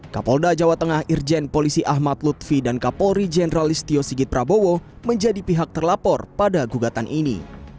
kapolda jawa tengah irjen polisi ahmad lutfi dan kapolri jenderal istio sigit prabowo menjadi pihak terlapor pada gugatan ini